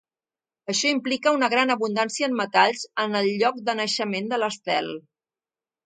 Això implica una gran abundància en metalls en el lloc de naixement de l'estel.